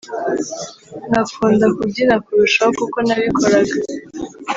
nkakunda kubyinakurushaho kuko nabikoraga.